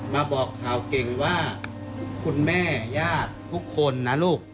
มาบอกข่าวเก่งว่าคุณแม่ญาติทุกคนนะลูก